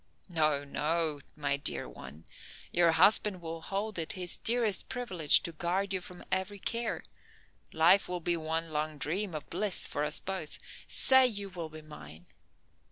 "No, no, my dear one. Your husband will hold it his dearest privilege to guard you from every care. Life will be one long dream of bliss for us both. Say you will be mine."